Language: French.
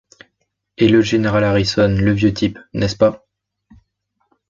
Et le général Harrison le vieux Tip, n’est-ce pas?